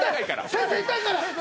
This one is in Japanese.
先生、痛いから。